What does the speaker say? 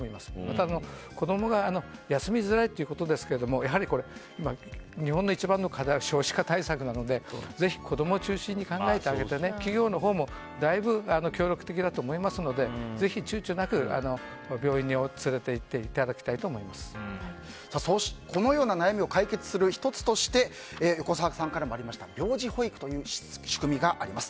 ただ、子供が休みづらいということですがやはり、日本の一番の課題は少子化対策なのでぜひ子供を中心に考えてあげて企業のほうもだいぶ協力的だと思いますのでぜひちゅうちょなく病院に連れて行ってこのような悩みを解決する１つとして横澤さんからもありました病児保育という仕組みがあります。